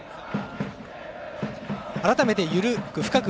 改めて「ゆるく深く！